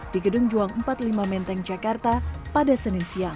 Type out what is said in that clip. di gedung juang empat puluh lima menteng jakarta pada senin siang